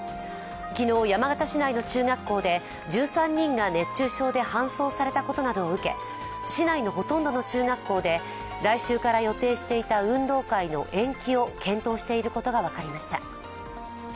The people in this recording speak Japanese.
昨日、山形市内の中学校で１３人が熱中症で搬送されたことなどを受け市内のほとんどの中学校で、来週から予定していた運動会の延期を検討していることが分かりました。